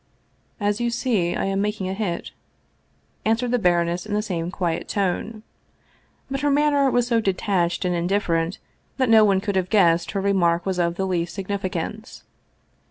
" As you see, I am making a hit," answered the baroness in the same quiet tone. But her manner was so detached and indifferent that no one could have guessed her re mark was of the least significance.